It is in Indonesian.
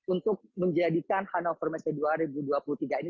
untuk menjadikan hannover messe dua ribu dua puluh tiga ini